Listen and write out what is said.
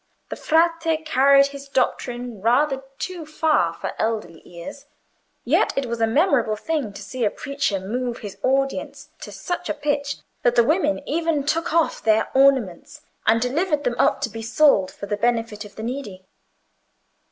The Frate carried his doctrine rather too far for elderly ears; yet it was a memorable thing to see a preacher move his audience to such a pitch that the women even took off their ornaments, and delivered them up to be sold for the benefit of the needy.